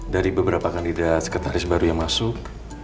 dari beberapa kandidat sekretaris baru yang masuk